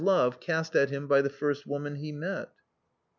love cast at him by the first woman he met.